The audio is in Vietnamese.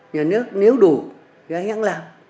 nhà nước nếu đủ thì anh hãy làm